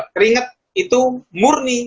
keringet itu murni